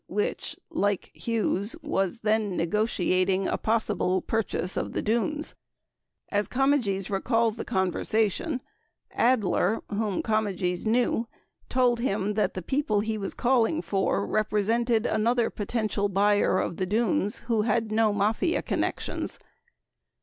which, like Hughes, was then negotiating a possible purchase of the Dunes. As Comegys recalls the conversation, 21 Adler, whom Comegys knew, told him that the people he was calling for represented another potential buyer of the Dunes who had no Mafia connections.